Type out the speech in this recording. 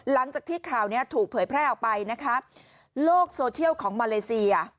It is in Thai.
หลังจากที่ข่าวนี้ถูกเผยแพร่ออกไปนะคะโลกโซเชียลของมาเลเซีย